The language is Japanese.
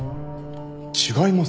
違いますよ。